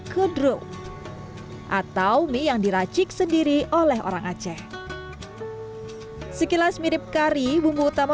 kedrung atau mie yang diracik sendiri oleh orang aceh sekilas mirip kari bumbu utama